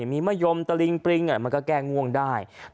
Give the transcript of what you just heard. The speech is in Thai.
มีมะยมตะลิงปริงมันก็แก้ง่วงได้